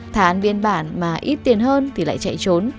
thả ăn viên bản mà ít tiền hơn thì lại chạy trốn